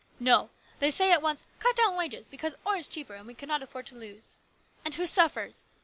No; they say at once, ' Cut down wages, because ore is cheaper and we cannot afford to lose.' And who suffers?